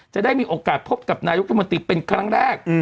จะได้มีโอกาสพบกับนายุทธมนตรีเป็นครั้งแรก